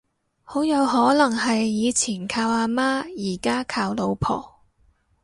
好有可能係以前靠阿媽而家靠老婆